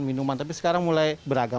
minuman tapi sekarang mulai beragam